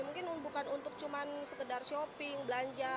mungkin bukan untuk cuma sekedar shopping belanja